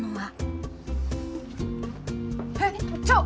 えっちょっ！